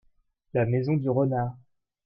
La maison du renard.